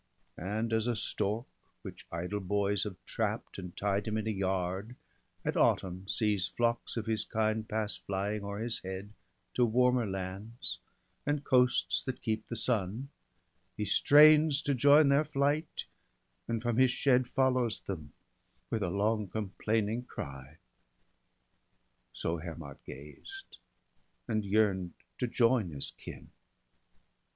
And as a stork which idle boys have trapp'd, And tied him in a yard, at autumn sees BALDER DEAD. 189 Flocks of his kind pass flying o'er his head To warmer lands, and coasts that keep the sun; — He strains to join their flight, and from his shed Follows them with a long complaining cry — So Hermod gazed, and yearn'd to join his kin.